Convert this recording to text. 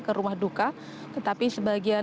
ke rumah duka tetapi sebagian